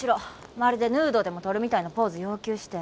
まるでヌードでも撮るみたいなポーズ要求して。